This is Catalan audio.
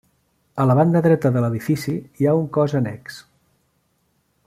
A la banda dreta de l'edifici hi ha un cos annex.